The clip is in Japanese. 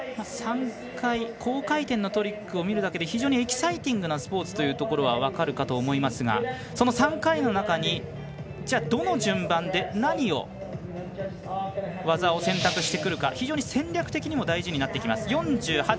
高回転トリックを見るだけで非常にエキサイティングなスポーツだというのは分かるかと思いますが３回の中に、どの順番で何を技を選択してくるか戦略的にも本当に大事になってきます。